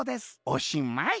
おしまい」。